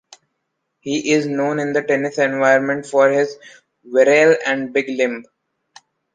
He is known in the tennis environment for his virile and big limb.